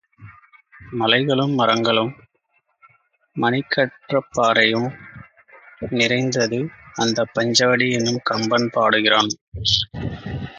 மலைகளும் மரங்களும் மணிக்கற்பாறையும் நிறைந்திருந்தது அந்தப் பஞ்சவடி என்று கம்பன் பாடுகிறான்.